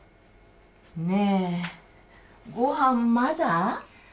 ねえごはんまだ？